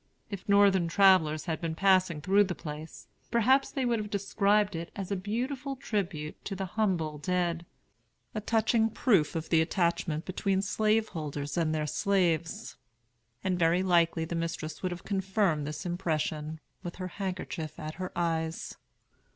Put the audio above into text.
If Northern travellers had been passing through the place, perhaps they would have described it as a beautiful tribute to the humble dead, a touching proof of the attachment between slaveholders and their slaves; and very likely the mistress would have confirmed this impression, with her handkerchief at her eyes.